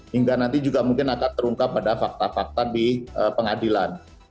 hingga nanti juga mungkin akan terungkap pada fakta fakta di pengadilan